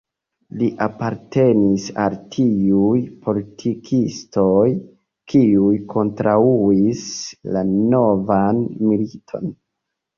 Li apartenis al tiuj politikistoj, kiuj kontraŭis la novan militon.